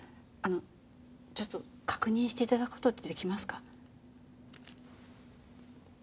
あのちょっと確認して頂く事って出来ますか？